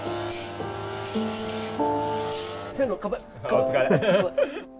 お疲れ。